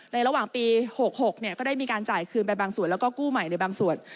ระหว่างปี๖๖ก็ได้มีการจ่ายคืนไปบางส่วนแล้วก็กู้ใหม่ในบางส่วน